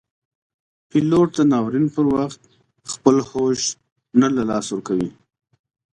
پیلوټ د ناورین پر وخت خپل هوش نه له لاسه ورکوي.